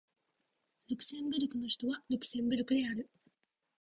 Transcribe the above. ルクセンブルクの首都はルクセンブルクである